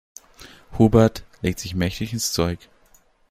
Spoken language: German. Hubert legt sich mächtig ins Zeug.